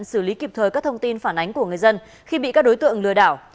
xử lý kịp thời các thông tin phản ánh của người dân khi bị các đối tượng lừa đảo